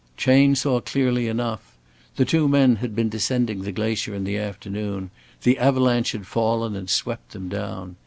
Chayne saw clearly enough. The two men had been descending the glacier in the afternoon, the avalanche had fallen and swept them down.